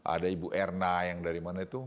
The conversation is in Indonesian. ada ibu erna yang dari mana itu